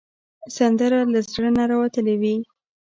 سندره له زړه نه راوتلې وي